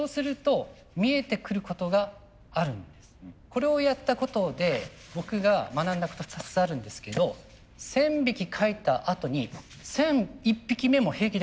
これをやったことで僕が学んだこと２つあるんですけど１，０００匹描いたあとに１，００１匹目も平気で描けたんです。